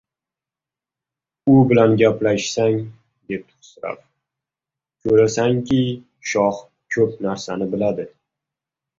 — U bilan gaplashsang, — debdi Xusrav, — ko‘rasanki, shoh ko‘p narsani biladi